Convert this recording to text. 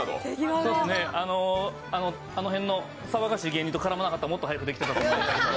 あの辺の騒がしい芸人と絡まなかったらもっと早くできたと思います。